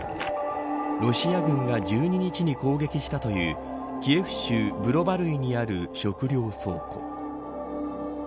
ロシア軍が１２日に攻撃したというキエフ州ブロバルイにある食糧倉庫。